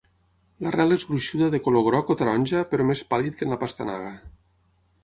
L'arrel és gruixuda de color groc o taronja però més pàl·lid que en la pastanaga.